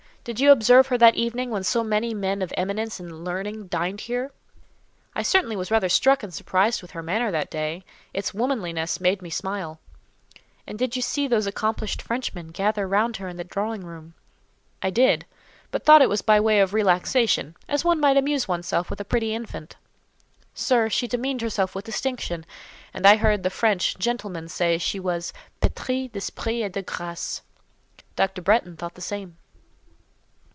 did you observe her that evening when so many men of eminence and learning dined here?" "I certainly was rather struck and surprised with her manner that day; its womanliness made me smile." "And did you see those accomplished Frenchmen gather round her in the drawing room?" "I did; but I thought it was by way of relaxation—as one might amuse one's self with a pretty infant." "Sir, she demeaned herself with distinction; and I heard the French gentlemen say she was 'pétrie d'esprit et de graces.' Dr. Bretton thought the same."